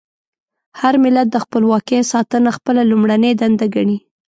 هر ملت د خپلواکۍ ساتنه خپله لومړنۍ دنده ګڼي.